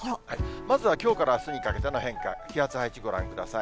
まずはきょうからあすにかけての変化、気圧配置ご覧ください。